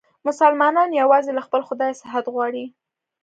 مسلمانان یووازې له خپل خدایه صحت غواړي.